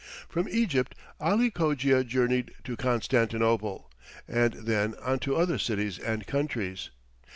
From Egypt Ali Cogia journeyed to Constantinople, and then on to other cities and countries.